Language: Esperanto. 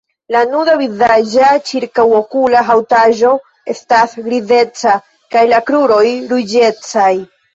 La nuda vizaĝa ĉirkaŭokula haŭtaĵo estas grizeca kaj la kruroj ruĝecaj.